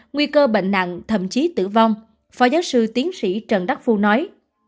nguy cơ bệnh nặng thậm chí tử vong phó giáo sư tiến sĩ trần đắc phu nói